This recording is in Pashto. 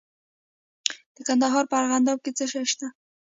د کندهار په ارغنداب کې څه شی شته؟